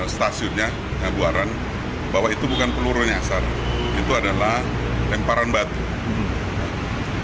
stasiunnya buaran bahwa itu bukan peluru nyasar itu adalah lemparan batu